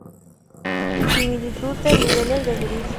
Similitud de niveles de gris.